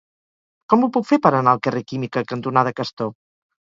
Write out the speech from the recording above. Com ho puc fer per anar al carrer Química cantonada Castor?